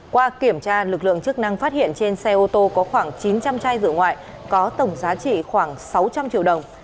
qua kiểm tra lực lượng chức năng phát hiện trên xe ô tô có khoảng chín trăm linh chai rượu ngoại có tổng giá trị khoảng sáu trăm linh triệu đồng